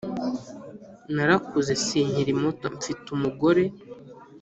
narakuze sinkiri muto mfite umugore